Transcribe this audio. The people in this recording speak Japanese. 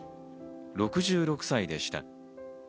６６歳でした。